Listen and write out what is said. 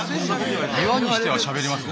岩にしてはしゃべりますね。